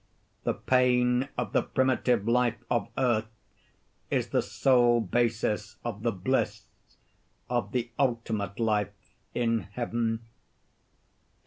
The pain of the primitive life of Earth, is the sole basis of the bliss of the ultimate life in Heaven.